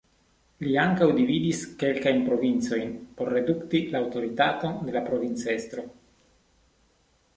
Li ankaŭ dividis kelkajn provincojn por redukti la aŭtoritaton de la provincestro.